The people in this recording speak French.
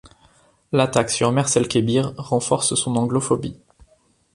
L'attaque sur Mers el-Kébir renforce son anglophobie.